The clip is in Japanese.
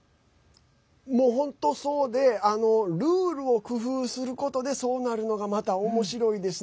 本当そうでルールを工夫することでそうなるのがまたおもしろいですね。